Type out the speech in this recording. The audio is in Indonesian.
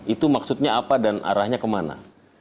itu maksudnya apa dan arahnya kemana